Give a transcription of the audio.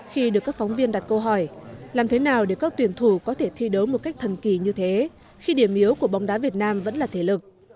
khi được các phóng viên đặt câu hỏi làm thế nào để các tuyển thủ có thể thi đấu một cách thần kỳ như thế khi điểm yếu của bóng đá việt nam vẫn là thể lực